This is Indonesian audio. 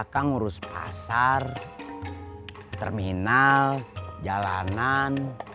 kang ngurus pasar terminal jalanan